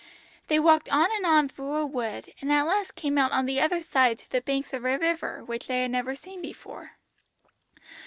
They walked on and on through a wood, and at last came out on the other side to the banks of a river which they had never seen before.